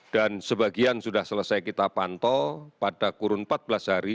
dan sebagian sudah selesai kita pantau pada kurun empat belas hari